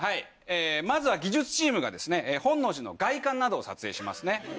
まずは技術チームが本能寺の外観などを撮影します。